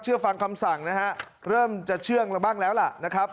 เชื่อฟังคำสั่งนะฮะ